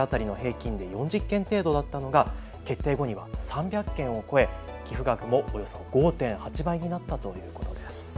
前は一日当たりの平均で４０件程度だったのが決定後には３００件を超え、寄付額もおよそ５．８倍になったということです。